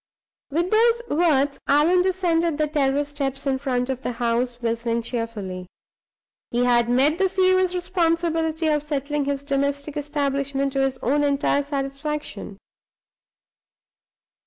With those words Allan descended the terrace steps in front of the house, whistling cheerfully. He had met the serious responsibility of settling his domestic establishment to his own entire satisfaction.